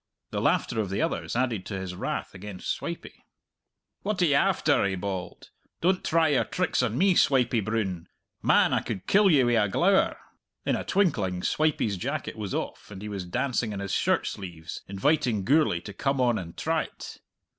The laughter of the others added to his wrath against Swipey. "What are you after?" he bawled. "Don't try your tricks on me, Swipey Broon. Man, I could kill ye wi' a glower!" In a twinkling Swipey's jacket was off, and he was dancing in his shirt sleeves, inviting Gourlay to come on and try't.